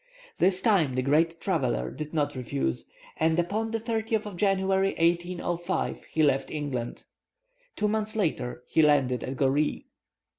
This time the great traveller did not refuse, and upon the 30th of January, 1805, he left England. Two months later he landed at Goree.